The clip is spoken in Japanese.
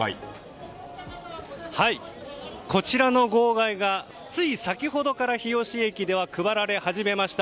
こちらの号外が先ほど、日吉駅から配られ始めました。